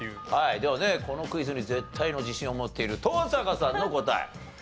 ではねこのクイズに絶対の自信を持っている登坂さんの答え。